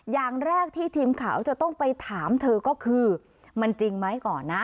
อย่างแรกที่ทีมข่าวจะต้องไปถามเธอก็คือมันจริงไหมก่อนนะ